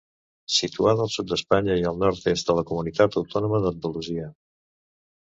Situada al sud d'Espanya i en el nord-est de la Comunitat Autònoma d'Andalusia.